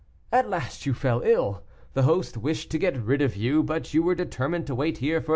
At last you fell ill; the host wished to get rid of you, but you were determined to wait here for M.